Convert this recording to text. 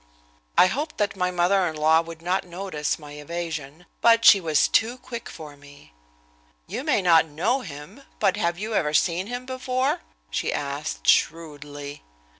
I hoped that my mother in law would not notice my evasion, but she was too quick for me. "You may not know him, but have you ever seen him before?" she asked, shrewdly.